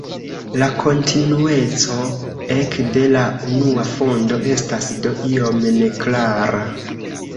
La kontinueco ek de la unua fondo estas do iom neklara.